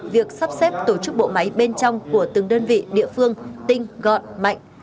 việc sắp xếp tổ chức bộ máy bên trong của từng đơn vị địa phương tinh gọn mạnh